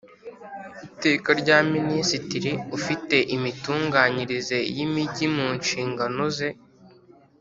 Iteka rya Minisitiri ufite imitunganyirize y’imijyi mu nshingano ze